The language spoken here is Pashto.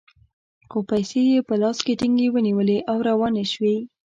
خو پیسې یې په لاس کې ټینګې ونیولې او روانې شوې.